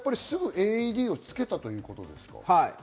すぐＡＥＤをつけたということですか？